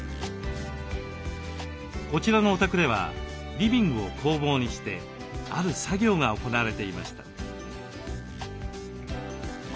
こちらのお宅ではリビングを工房にしてある作業が行われていました。